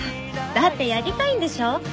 だってやりたいんでしょ？